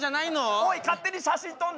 おい勝手に写真撮んな。